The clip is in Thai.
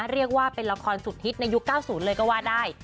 เรียกว่าเป็นละครสุดฮิตในยุค๙๐เลยก็ว่าได้